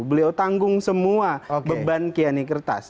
beliau tanggung semua beban kiani kertas